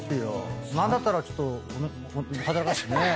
何だったらちょっと働かせてねっ。